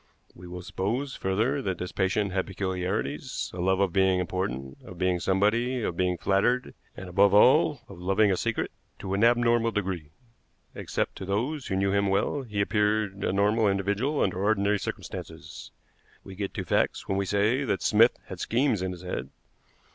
We will suppose, further, that this patient had peculiarities a love of being important, of being somebody, of being flattered, and above all of loving a secret to an abnormal degree. Except to those who knew him well, he appeared a normal individual under ordinary circumstances. We get to facts when we say that Smith had schemes in his head.